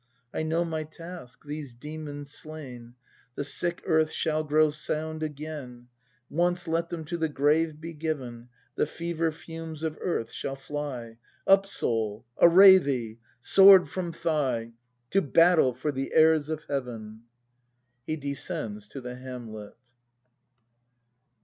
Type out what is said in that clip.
I know my task; these demons slain, The sick Earth shall grow sound again; — Once let them to the grave be given. The fever fumes of Earth shall fly! Up, Soul, array thee! Sword from thigh! To battle for the heirs of heaven! [He descends to the hamlet.